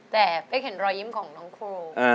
แต่เป๊กเห็นรอยยิ้มของน้องครู